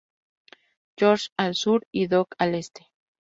George, al sur; y Dog, al este.